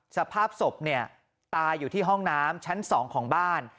สภาพศพเนี่ยตายอยู่ที่ห้องน้ำชั้น๒ของบ้าน